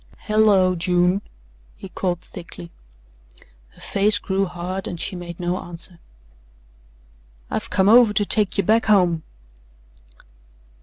"Hello, June!" he called thickly. Her face grew hard and she made no answer. "I've come over to take ye back home."